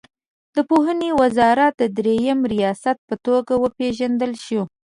د پوهنې وزارت د دریم ریاست په توګه وپېژندل شوه.